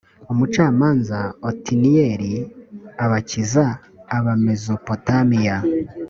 umucamanza otiniyeli abakiza abamesopotamiya